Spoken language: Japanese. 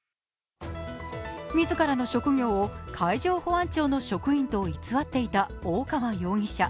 自らの職業を海上保安庁の職員と偽っていた大川容疑者。